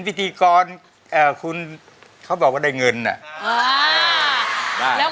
ก็ดีใจเลยเนี่ย